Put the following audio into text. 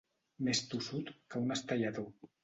Més tossut que un estellador.